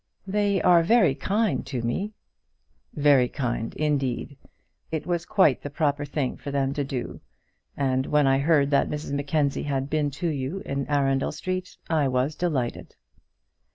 "They are very kind to me." "Very kind, indeed. It was quite the proper thing for them to do; and when I heard that Mrs Mackenzie had been to you in Arundel Street, I was delighted."